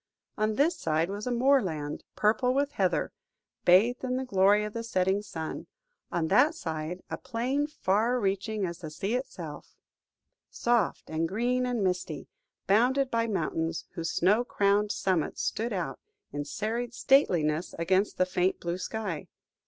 On this side was a moorland, purple with heather, bathed in the glory of the setting sun; on that side, a plain, far reaching as the sea itself, soft and green and misty, bounded by mountains, whose snow crowned summits stood out in serried stateliness against the faint blue sky.